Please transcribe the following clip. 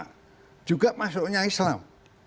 nah juga maksudnya islam